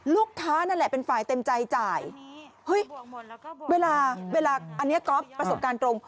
ลูกค้านั่นแหละเป็นฝ่ายเต็มใจจ่ายเฮ้ยเวลาอันนี้ก็ประสบการณ์ตรง